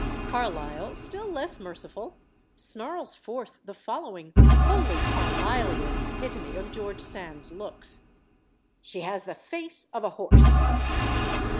Carlyle, still less merciful, snarls forth the following wholly Carlylean epitome of George Sand's looks: "She has the face of a horse!"